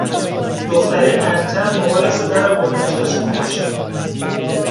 دختره انتر موبایلش رو در آورده نشسته تو ماشین